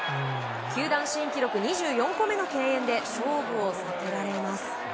球団新記録２４個目の敬遠で勝負を避けられます。